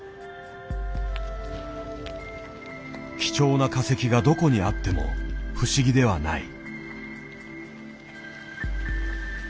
貴重な化石がどこにあっても不思議ではない。